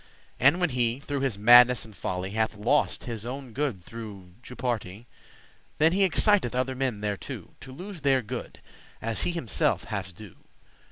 And when he, through his madness and folly, Hath lost his owen good through jupartie,* *hazard <2> Then he exciteth other men thereto, To lose their good as he himself hath do'.